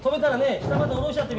下まで下ろしちゃってみて。